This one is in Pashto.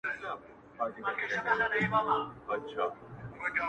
ما به څنګه څوک پیدا کي زما زګېروی به څنګه اوري،